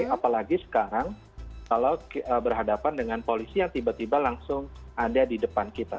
apalagi sekarang kalau berhadapan dengan polisi yang tiba tiba langsung ada di depan kita